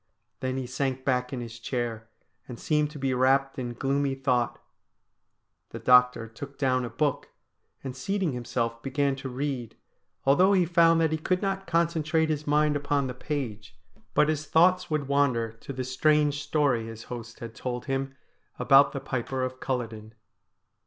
Then he sank back in his chair and seemed to be wrapped in gloomy thought. The doctor took down a book, and seating himself began to read, although he found that he could not concentrate his mind upon the page, but his thoughts would wander to the F 66 STORIES WEIRD AND WONDERFUL strange story his host had told him about the Piper of Culloden.